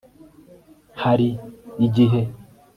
hari igihe